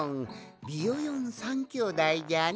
ビヨヨン３きょうだいじゃな。